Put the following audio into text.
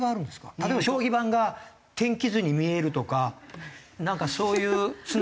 例えば将棋盤が天気図に見えるとかなんかそういう繋がりが。